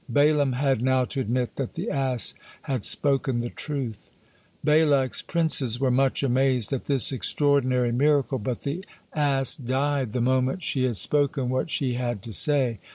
Balaam had now to admit that the ass had spoken the truth. Balak's princes were much amazed at this extraordinary miracle, but the ass died the moment she had spoken what she had to say.